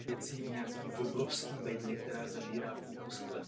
Duchovní službu pak vykonávala ve městě Blackburn v hrabství Lancashire.